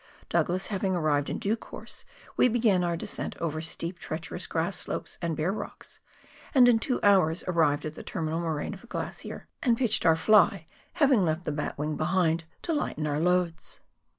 Douglas having arrived in due course, we began our descent over steep, treacherous grass slopes and bare rocks, and in two hours arrived at the terminal moraine of the glacier, and 90 PIONEER WORK IN TEE ALPS OF NEW ZEALAND. pitched our " fly," having left the batwing behind to lighten our loads.